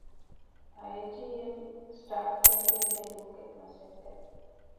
އައި.ޖީ.އެމް ސްޓާފް ކެންޓީން ހެދުމުގެ މަސައްކަތް